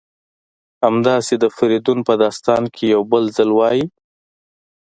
همداسې د فریدون په داستان کې یو بل ځل وایي: